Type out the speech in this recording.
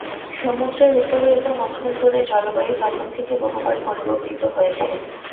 সমুদ্রের উপরে এবং অভ্যন্তরে জলবায়ু তখন থেকে বহুবার পরিবর্তিত হয়েছে।